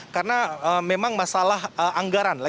karena memang masalah anggaran